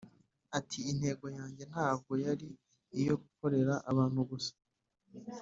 ati: “intego yanjye ntabwo yari iyo gukorera abantu gusa,